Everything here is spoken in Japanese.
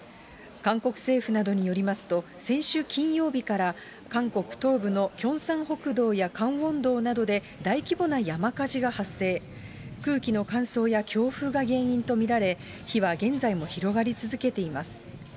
韓国政府などによりますと、先週金曜日から韓国東部のキョンサン北道やカンウォン道などで大規模な山火事が発生、空気の乾燥や強風が原因と見られ、火は現在も広がり続けています。